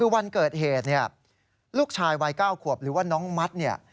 วันเกิดเหตุลูกชายวัย๙ขวบหรือว่าน้องมัตย์